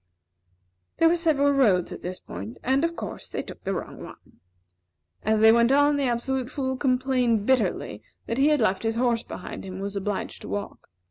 There were several roads at this point and, of course, they took the wrong one. As they went on, the Absolute Fool complained bitterly that he had left his horse behind him, and was obliged to walk.